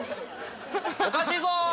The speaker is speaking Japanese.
おかしいぞー！